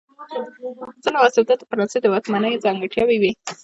ظلم او استبداد د فرانسې د واکمنیو ځانګړتیاوې وې.